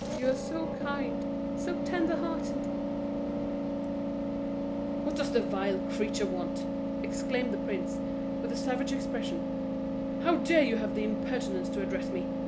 You are so kind so tender hearted " "What does the vile creature want!" exclaimed the prince, with a savage expression. "How dare you have the impertinence to address me?